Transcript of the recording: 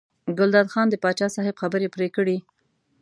ګلداد خان د پاچا صاحب خبرې پرې کړې.